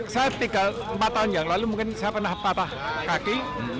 saya tinggal empat tahun yang lalu mungkin saya pernah patah kaki